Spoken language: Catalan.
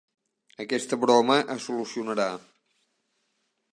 Aquesta broma es solucionarà.